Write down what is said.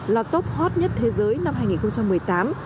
là top hot nhất thế giới năm hai nghìn một mươi tám